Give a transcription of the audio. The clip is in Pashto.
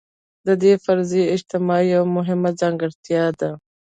د دې فرضي اجتماع یوه مهمه ځانګړتیا ده.